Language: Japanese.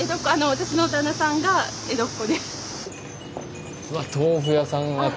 私の旦那さんが江戸っ子で。